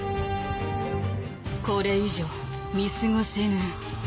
「これ以上見過ごせぬ」。